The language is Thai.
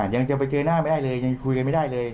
ยังจะไปเจอหน้าไม่ได้เลยยังคุยกันไม่ได้เลย